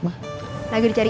ma kasih kan